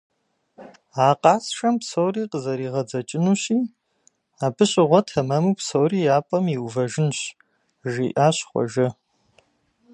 А къасшэм псори къызэригъэдзэкӀынущи, абы щыгъуэ тэмэму псори я пӀэм иувэжынщ, - жиӀащ Хъуэжэ.